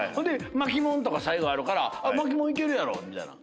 巻もんとか最後あるから巻もんいけるやろみたいな。